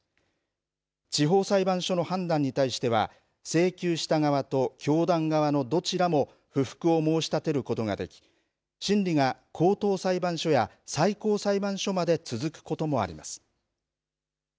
地方裁判所の判断に対しては請求した側と教団側のどちらも不服を申し立てることができ審理が高等裁判所や最高裁判所まで続くこともあります。